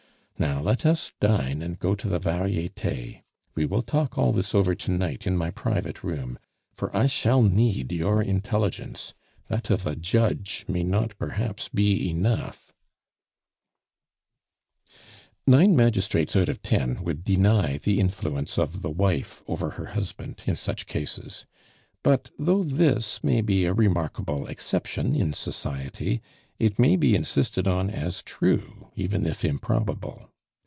Now let us dine and go to the Varietes. We will talk all this over to night in my private room, for I shall need your intelligence; that of a judge may not perhaps be enough " Nine magistrates out of ten would deny the influence of the wife over her husband in such cases; but though this may be a remarkable exception in society, it may be insisted on as true, even if improbable.